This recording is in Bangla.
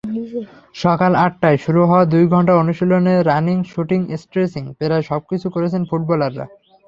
সকাল আটটায় শুরু হওয়া দুই ঘণ্টার অনুশীলনে রানিং, শুটিং, স্ট্রেচিং—প্রায় সবকিছুই করেছেন ফুটবলাররা।